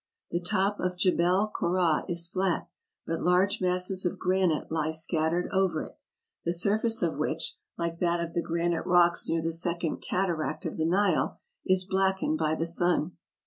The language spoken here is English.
The top of Jebel Kora is fiat, but large masses of granite lie scattered over it, the surface of which, like that of the gran ite rocks near the second cataract of the Nile, is blackened by the sun.